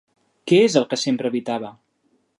Què es el que sempre evitava?